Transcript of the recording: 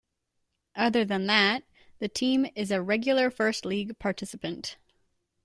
Other than that, the team is a regular first league participant.